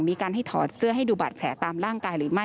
มีการให้ถอดเสื้อให้ดูบาดแผลตามร่างกายหรือไม่